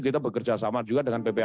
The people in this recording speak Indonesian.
kita bekerja sama juga dengan ppatk